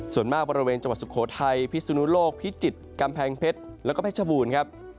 ส่วนมากบริเวณจังหวัดสุโขทัยพิสุนุโลกพิจิตรกำแพงเพชรแล้วก็เพชรบูรณ์ครับ